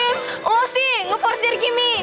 lo sih nge forse dari kimmy